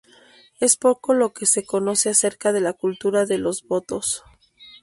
Es poco lo que se conoce acerca de la cultura de los botos.